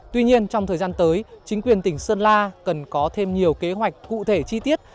tuy nhiên trong thời gian tới chính quyền tỉnh sơn la cần có thêm nhiều kế hoạch cụ thể chi tiết